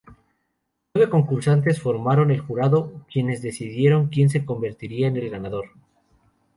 Nueve concursantes formaron el jurado, quienes decidieron quien se convertiría en el ganador.